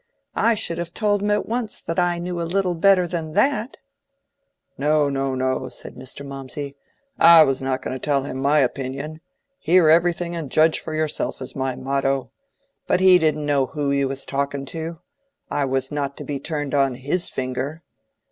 I should have told him at once that I knew a little better than that." "No, no, no," said Mr. Mawmsey; "I was not going to tell him my opinion. Hear everything and judge for yourself is my motto. But he didn't know who he was talking to. I was not to be turned on his finger.